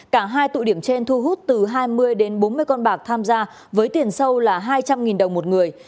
cả hai tụ điểm trên thu hút từ hai mươi đến bốn mươi con bạc tham gia với tiền sâu là hai trăm linh đồng một người